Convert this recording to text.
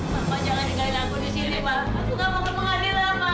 mama jangan ikut lagu di sini ma